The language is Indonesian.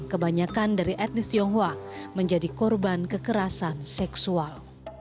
kebanyakan dari etnis tionghoa menjadi korban kekerasan seksual